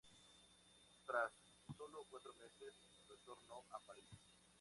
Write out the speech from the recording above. Tras solo cuatro meses retornó a París.